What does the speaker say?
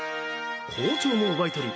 包丁も奪い取り